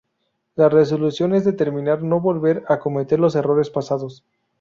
La resolución es determinar no volver a cometer los errores pasados.